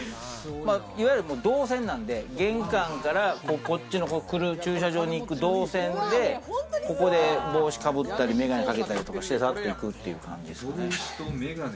いわゆる動線なんで、玄関からこっちの来る駐車場にいく動線で、ここで帽子かぶったり眼鏡かけたりして去っていく感じですね。